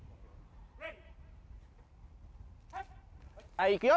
はいいくよ。